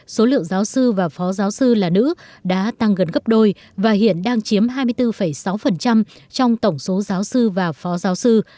số lượng giáo sư và phó giáo sư là nữ đã tăng gần gấp đôi và hiện đang chiếm hai mươi bốn sáu trong tổng số giáo sư và phó giáo sư